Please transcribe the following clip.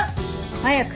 早く。